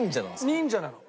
忍者なの。